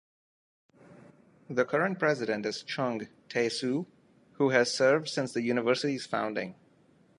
The current president is Chung, Tae Soo, who has served since the university's founding.